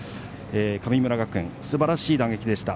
神村学園、すばらしい打撃でした。